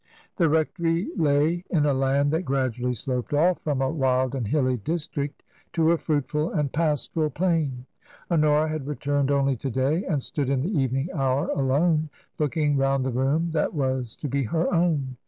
The rectory lay in a land that gradually sloped off from a wild and hilly district to a fruitful and pastoral plain. Honora had returned only to day, and stood in the evening hour alone, looking round the room that was to be her own.